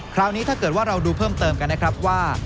คราวนี้ถ้าเกิดว่าเราดูเพิ่มเติมกันนะครับว่า